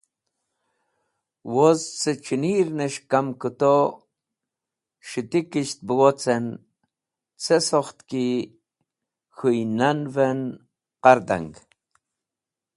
Woz dẽ c̃hinires̃h kamkũto s̃hitisht be wocen ce sokht ki khũynan’v en qardang.